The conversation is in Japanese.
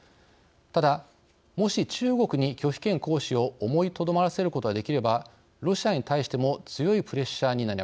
ただもし中国に拒否権行使を思いとどまらせることができればロシアに対しても強いプレッシャーになります。